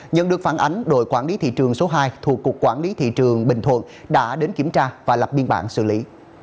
nhận được phản ánh đội quản lý thị trường số hai thuộc cục quản lý thị trường bình thuận đã đến kiểm tra và lập biên bản xử lý